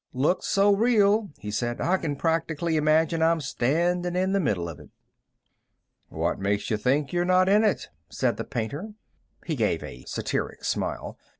"Looks so real," he said, "I can practically imagine I'm standing in the middle of it." "What makes you think you're not in it?" said the painter. He gave a satiric smile.